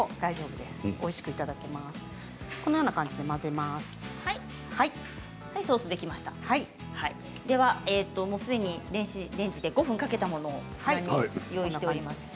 では、すでに電子レンジで５分かけたものを用意しております。